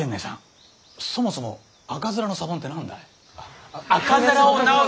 そもそも赤面のサボンって何だい？